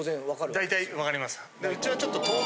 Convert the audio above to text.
大体分かります。